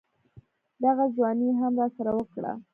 دغه ځواني يې هم راسره وکړه.